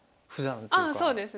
あっそうですね。